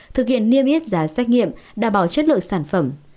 thực hiện niêm yết giá xét nghiệm đảm bảo chất lượng sản phẩm